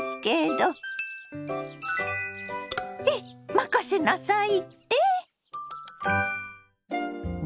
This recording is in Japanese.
任せなさいって？